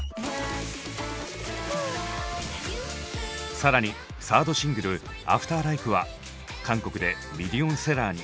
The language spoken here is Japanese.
更にサードシングル「ＡｆｔｅｒＬＩＫＥ」は韓国でミリオンセラーに。